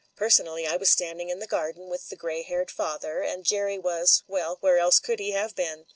Per sonally, I was standing in the garden with the grey haired father ; and Jerry was — ^well, where else could he have been?